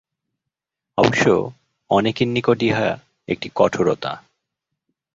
অবশ্য অনেকের নিকট ইহা একটি কঠোরতা।